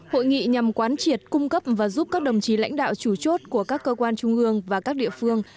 hội nghị nhằm quán triệt cung cấp và giúp các đồng chí lãnh đạo chủ chốt của các cơ quan trung ương và các địa phương